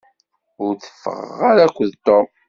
Ur teffɣeɣ ara akked Tom.